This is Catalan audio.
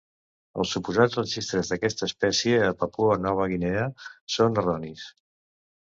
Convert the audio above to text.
Els suposats registres d'aquesta espècie a Papua Nova Guinea són erronis.